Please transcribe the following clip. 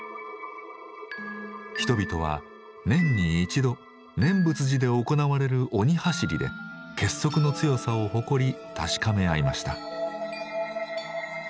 人々は年に一度念仏寺で行われる鬼はしりで結束の強さを誇り確かめ合いました。